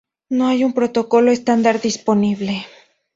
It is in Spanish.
No hay un protocolo estándar disponible.